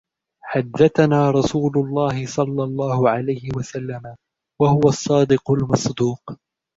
حدَّثنا رسولُ اللهِ صَلَّى اللهُ عَلَيْهِ وَسَلَّمَ، وهو الصَّادِقُ المصْدُوقُ: